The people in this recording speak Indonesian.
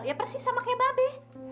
ya persis sama kayak babe